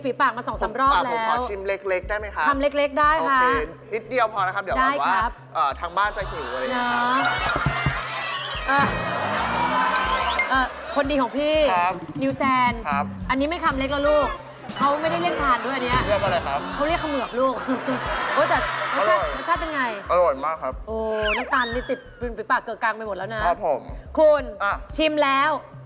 เพิ่งเหลี่ยลิมฝีปากมาสองสามรอบแล้ว